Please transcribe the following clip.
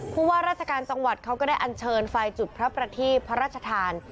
ผู้ว่าราชการจังหวัดเขาก็ได้อันเชิญไฟจุดพระประทีพระราชทาน